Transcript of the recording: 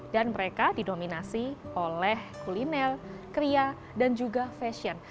dan mereka didominasi oleh kuliner kria dan juga fashion